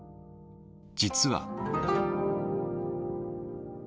実は。